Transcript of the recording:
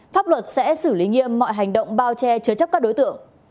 pháp luật sẽ xử lý nghiêm mọi hành động bao che chứa chấp các đối tượng